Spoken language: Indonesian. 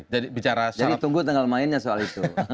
jadi tunggu tinggal mainnya soal itu